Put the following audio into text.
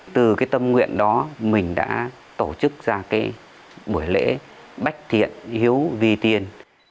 từ tâm nguyện đó mình đã tổ chức ra buổi lễ bách thiện hiếu vi tiên